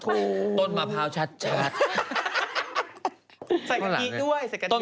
อุ๊ย